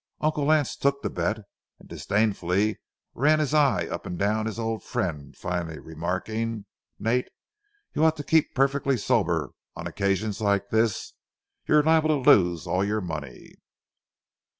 Uncle Lance took the bet, and disdainfully ran his eye up and down his old friend, finally remarking, "Nate, you ought to keep perfectly sober on an occasion like this—you're liable to lose all your money."